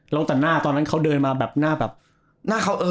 แล้วแต่หน้าตอนนั้นเค้าเดินมาหน้าคือ